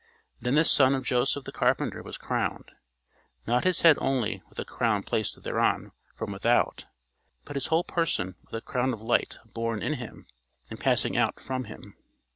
Then the son of Joseph the carpenter was crowned, not his head only with a crown placed thereon from without, but his whole person with a crown of light born in him and passing out from him.